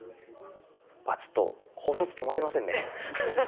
わっちょっと考察止まりませんね。